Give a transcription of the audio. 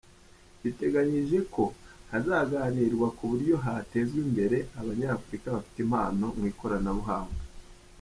Biteganyijwe ko hazaganirwa ku buryo hatezwa imbere abanyafurika bafite impano mu ikoranabuhanga.